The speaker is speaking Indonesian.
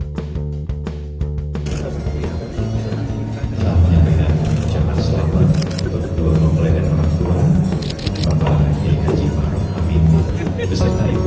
jangan lupa like share dan subscribe channel ini untuk dapat info terbaru dari kami